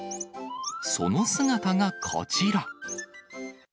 その姿がこちら。